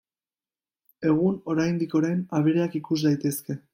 Egun, oraindik orain, abereak ikus daitezke.